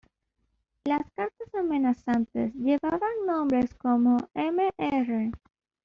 Las cartas amenazantes llevaban nombres como "Mr.